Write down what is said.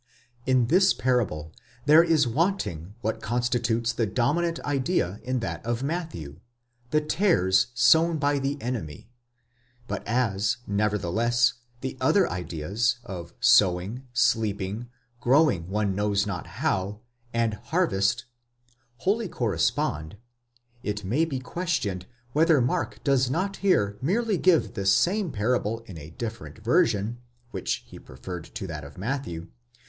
In this parable there is wanting what constitutes the dominant idea in that of Matthew, the tares, sown by the enemy; but as, nevertheless, the other ideas, of sowing, sleeping, growing one knows not how, and harvest, wholly correspond, it may be questioned whether Mark does not here merely give the same parable in a different version, which he preferred to that of Matthew, because it seemed 6 Schleiermacher, 5. 120.